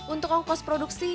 untuk ongkos produksi